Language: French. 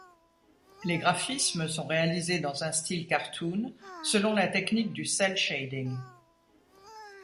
Les graphismes sont réalisés dans un style cartoon selon la technique du cel-shading.